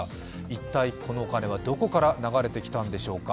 一体、このお金はどこから流れてきたんでしょうか。